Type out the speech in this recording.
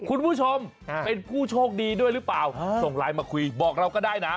คุณผู้ชมเป็นผู้โชคดีด้วยหรือเปล่าส่งไลน์มาคุยบอกเราก็ได้นะ